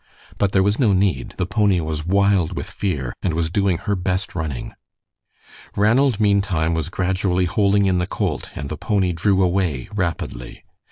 But there was no need; the pony was wild with fear, and was doing her best running. Ranald meantime was gradually holding in the colt, and the pony drew away rapidly.